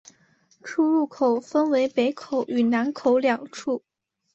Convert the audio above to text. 出入口分为北口与南口两处。